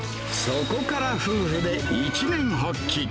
そこから夫婦で一念発起。